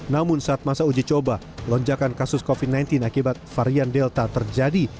namun saat masa uji coba lonjakan kasus covid sembilan belas akibat varian delta terjadi